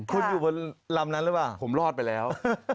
คุณอยู่บนลำนั้นหรือเปล่าผมรอดไปแล้ว